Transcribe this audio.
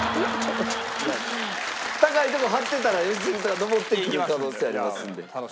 高いとこ張ってたら良純さんが上ってくる可能性ありますんで。